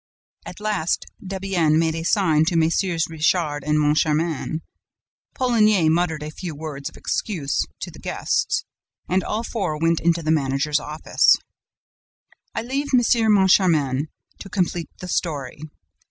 At last, Debienne made a sign to Mm. Richard and Moncharmin; Poligny muttered a few words of excuse to the guests; and all four went into the managers' office. I leave M. Moncharmin to complete the story.